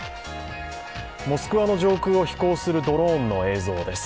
モスクワの上空を飛行するドローンの映像です。